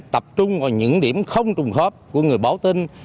tập trung vào những điểm không trùng hợp của người báo tin